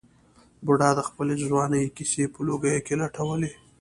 بوډا د خپلې ځوانۍ کیسې په لوګیو کې لټولې.